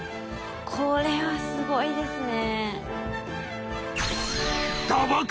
これはすごいですね。